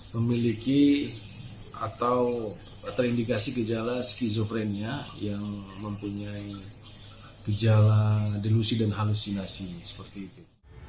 memiliki atau terindikasi gejala skizophrenia yang mempunyai gejala delusi dan halusinasi seperti itu